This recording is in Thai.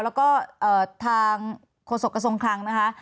แล้วก็ทางโฆษกสงครังนะคะ